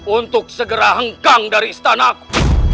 untuk segera hengkang dari istanaku